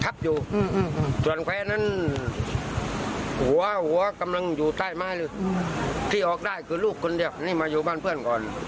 ช่วยตัวเองบ่อยหนักต้องมาอยู่๓๐กว่าปีแล้วไม่เคยเลย